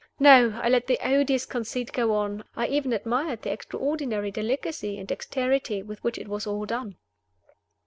No! I let the odious conceit go on; I even admired the extraordinary delicacy and dexterity with which it was all done.